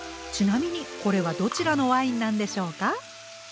ちなみにこれはどちらのワインなんでしょうか？